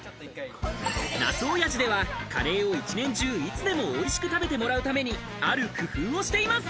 茄子おやじでは、カレーを一年中いつでも美味しく食べてもらうために、ある工夫をしています。